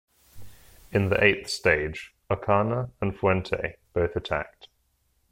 In the eighth stage, Ocana and Fuente both attacked.